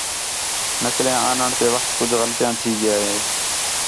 نقلیاں آنݨ تے وخت کُجھ غلط تھی ڳیا ہِے